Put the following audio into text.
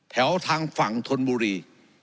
ทางฝั่งธนบุรี